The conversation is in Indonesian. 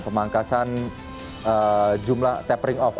pemangkasan jumlah tapering off